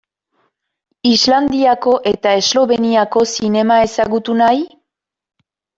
Islandiako eta Esloveniako zinema ezagutu nahi?